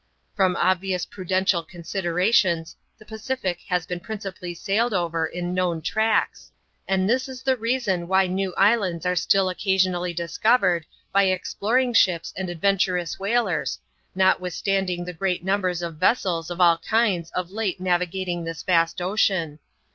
From obvious prudential considerations the Pacific has been principally sailed over in known tracts, and this is the reason why new islands are still occasionally discovered, by exploring ships and adventurous whalers, notwithstanding the great num ber of vessels of all kinds of late navigating this vast ocean.